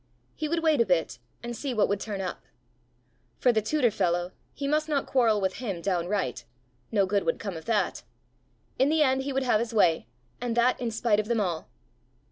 He would wait a bit, and see what would turn up! For the tutor fellow, he must not quarrel with him downright! No good would come of that! In the end he would have his way! and that in spite of them all!